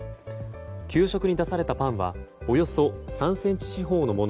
給食に出されたパンはおよそ３ｃｍ四方のもの